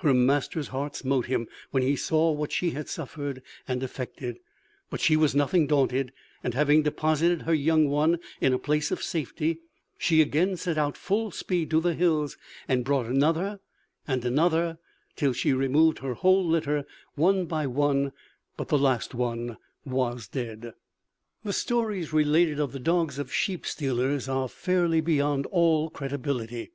Her master's heart smote him when he saw what she had suffered and effected: but she was nothing daunted; and having deposited her young one in a place of safety, she again set out full speed to the hills, and brought another and another, till she removed her whole litter one by one; but the last one was dead. "The stories related of the dogs of sheep stealers are fairly beyond all credibility.